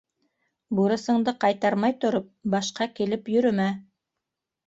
Бурысыңды ҡайтармай тороп, башҡа килеп йөрөмә.